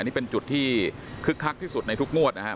นี่เป็นจุดที่คึกคักที่สุดในทุกงวดนะครับ